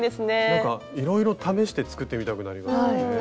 なんかいろいろ試して作ってみたくなりますね。